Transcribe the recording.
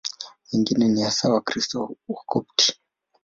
Wengine ni hasa Wakristo Wakopti.